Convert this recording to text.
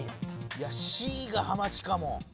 いやＣがハマチかも。